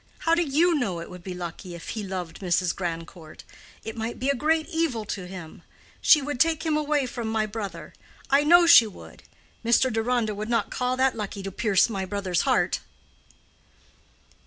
How do you know it would be lucky if he loved Mrs. Grandcourt? It might be a great evil to him. She would take him away from my brother—I know she would. Mr. Deronda would not call that lucky to pierce my brother's heart."